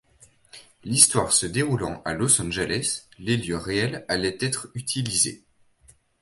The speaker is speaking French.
L'histoire se déroulant à Los Angeles, les lieux réels allaient être utilisés.